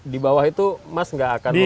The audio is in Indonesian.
di bawah itu mas nggak akan